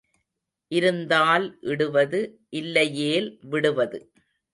இருந்தால் இடுவது இல்லையேல் விடுவது.